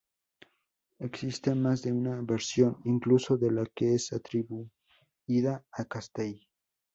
Existe más de una versión, incluso de la que es atribuida a Castell.